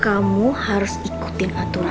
kamu harus ikutin aturan